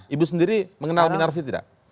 ibu sendiri mengenal minarsi tidak